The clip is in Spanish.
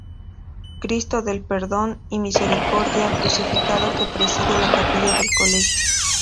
Cristo del Perdón y Misericordia, crucificado que preside la capilla del colegio.